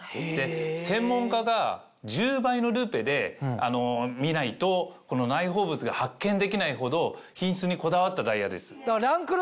専門家が１０倍のルーペで見ないと内包物が発見できないほど品質にこだわったダイヤです。